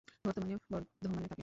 বর্তমানে বর্ধমানে থাকেন।